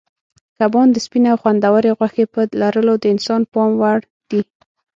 کبان د سپینې او خوندورې غوښې په لرلو د انسان پام وړ دي.